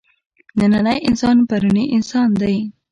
نننی انسان پروني انسان دی.